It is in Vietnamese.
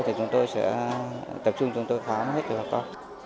thì chúng tôi sẽ tập trung chúng tôi khám hết từ hôm qua